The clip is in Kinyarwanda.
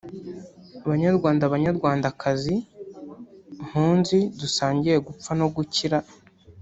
Banyarwanda Banyarwandakazi mpunzi dusangiye gupfa no gukira